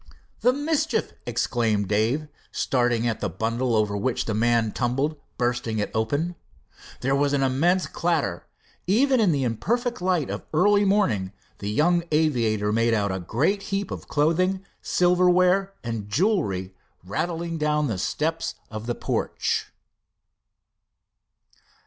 "The mischief!" exclaimed Dave, starting at the bundle over which the man tumbled, bursting it open. There was an immense clatter. Even in the imperfect light of the early morning, the young aviator made out a great heap of clothing, silverware and jewelry, rattling down the steps of the porch.